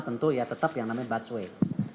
tentu ya tetap yang namanya busway